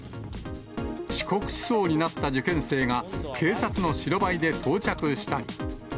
遅刻しそうになった受験生が、警察の白バイで到着したり。